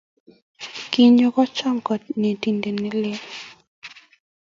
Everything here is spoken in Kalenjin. Kinyo kocham kanetindet ne leel